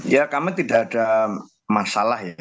ya kami tidak ada masalah ya